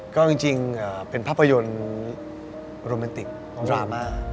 ก็จริงเป็นภาพยนตร์โรแมนติกของดราม่า